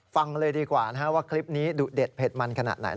ฟังเลยดีกว่าว่าคลิปนี้ดุเด็ดเผ็ดมันขนาดไหน